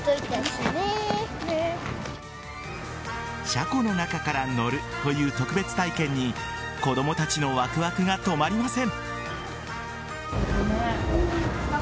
車庫の中から乗るという特別体験に子供たちのワクワクが止まりません。